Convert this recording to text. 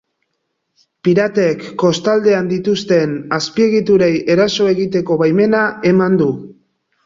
Piratek kostaldean dituzten azpiegiturei eraso egiteko baimena eman du.